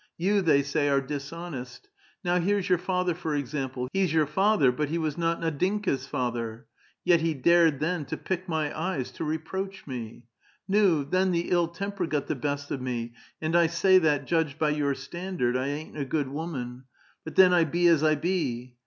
' You/ they say, ' are dishonest.' ^Now here's your lather^, for example ; he's your fatlier, but he was not >iddinka's father. He's a poor boui, yet he dared then to pick my eyes to reproach me. Nuy then the ill temper got the best of me, and 1 say that, judged l>y your standard, 1 ain't a good woman ; but then I be as I ) be.